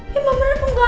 ya mamirna kok gak ada